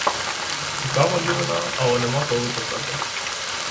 Цікава дивина, але нема коли писати.